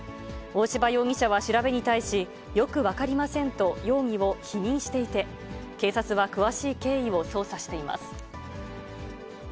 大柴容疑者は調べに対し、よく分かりませんと容疑を否認していて、警察は詳しい経緯を捜査しています。